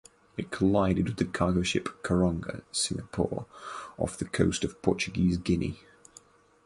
It collided with the cargo ship "Karonga" (Singapore) off the coast of Portuguese Guinea.